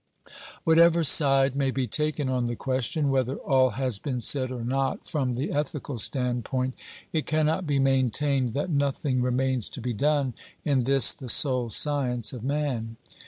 Whatever side may be taken on the question whether all V 338 OBERMANN has been said or not from the ethical standpoint, it cannot be maintained that nothing remains to be done in this the sole science of man.